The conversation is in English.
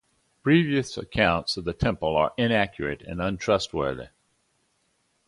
Previous accounts of the temple are inaccurate and untrustworthy.